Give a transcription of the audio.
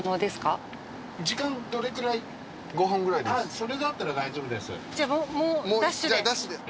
それだったら大丈夫です。